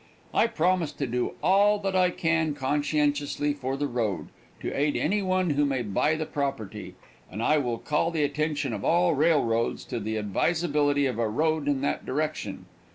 I promise to do all that I can conscientiously for the road, to aid any one who may buy the property, and I will call the attention of all railroads to the advisability of a road in that direction.